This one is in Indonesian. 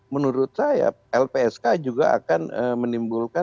menurut saya lpsk juga akan menimbulkan